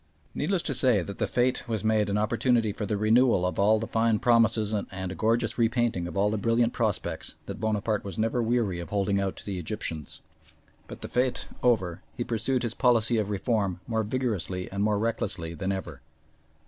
Needless to say that the fête was made an opportunity for the renewal of all the fine promises and a gorgeous repainting of all the brilliant prospects that Bonaparte was never weary of holding out to the Egyptians; but the fête over, he pursued his policy of reform more vigorously and more recklessly than ever.